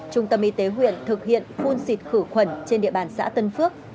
trung tâm y tế huyện thực hiện phun xịt khử khuẩn trên địa bàn xã tân phước